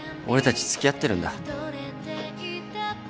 俺たち付き合ってるんだ。